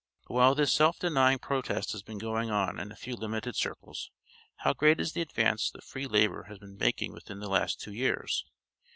But while this self denying protest has been going on in a few limited circles, how great is the advance that free labor has been making within the last two years!